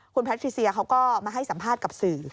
คุณแพทิเซียเขาก็มาให้สัมภาษณ์กับสื่อ